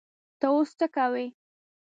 ته اوس څه کوې؟